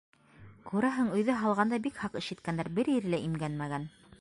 Күрәһең, өйҙө һалғанда, бик һаҡ эш иткәндәр, бер ере лә имгәнмәгән.